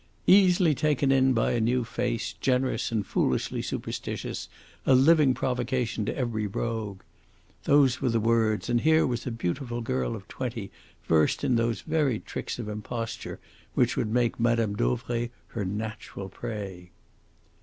"Easily taken by a new face, generous, and foolishly superstitious, a living provocation to every rogue." Those were the words, and here was a beautiful girl of twenty versed in those very tricks of imposture which would make Mme. Dauvray her natural prey!